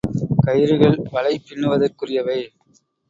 கயிறுகள் வலை பின்னுவதற்குரியவை.